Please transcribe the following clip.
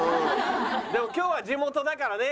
でも今日は地元だからね。